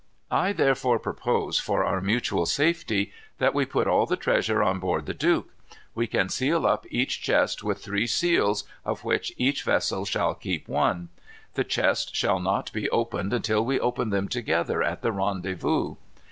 "I therefore propose, for our mutual safety, that we put all the treasure on board the Duke. We can seal up each chest with three seals, of which each vessel shall keep one. The chests shall not be opened until we open them together at the rendezvous."